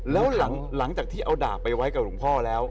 แล้วหลังจากที่เอาดาบไปไว้กับหลวงพ่อแล้ว